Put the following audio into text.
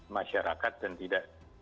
masyarakat dan tidak